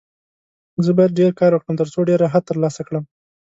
زه باید ډېر کار وکړم، ترڅو ډېر راحت ترلاسه کړم.